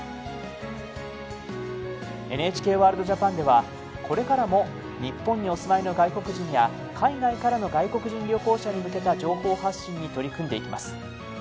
ＮＨＫワールドＪＡＰＡＮではこれからも日本にお住まいの外国人や海外からの外国人旅行者に向けた情報発信に取り組んでいきます。